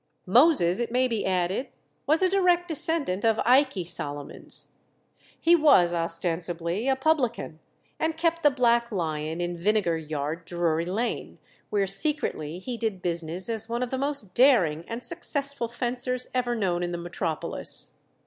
Moses, it may be added, was a direct descendant of Ikey Solomons. He was ostensibly a publican, and kept the Black Lion in Vinegar Yard, Drury Lane, where secretly he did business as one of the most daring and successful fencers ever known in the metropolis.